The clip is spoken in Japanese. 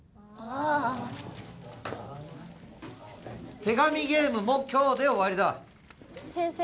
あ手紙ゲームも今日で終わりだ先生